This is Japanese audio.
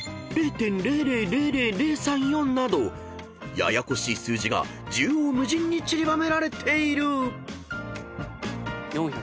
［ややこしい数字が縦横無尽にちりばめられている］